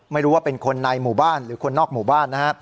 ไม่รู้ว่าเป็นคนในหมู่บ้านหรือคนนอกหมู่บ้านนะฮะ